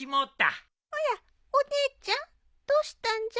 おやお姉ちゃんどうしたんじゃ？